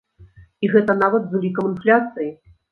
І гэта нават з улікам інфляцыі!